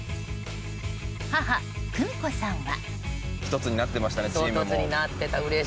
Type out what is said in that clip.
母・久美子さんは。